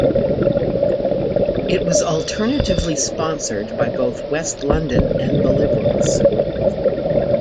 It was alternatively sponsored by both West London and the Liberals.